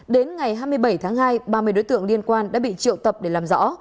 đến ngày hai mươi bảy tháng hai ba mươi đối tượng liên quan đã bị triệu tập để làm rõ